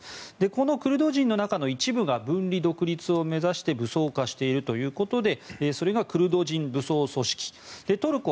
このクルド人の中の一部が分離・独立を目指して武装化しているということでそれがクルド人武装組織